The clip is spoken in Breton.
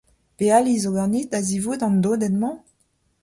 Pe ali zo ganit a-zivout an dodenn-mañ ?